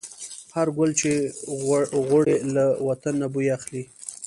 هر ګل چې غوړي، له وطن نه بوی اخلي